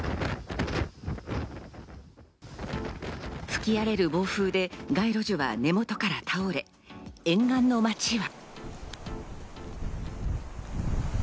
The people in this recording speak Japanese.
吹き荒れる暴風雨で街路樹は根元から倒れ、沿岸の街は。